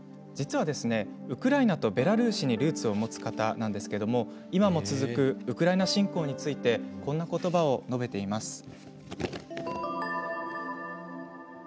実は、ウクライナとベラルーシにルーツを持つ方なんですけれども今も続くウクライナ侵攻についてこんなことばを述べています。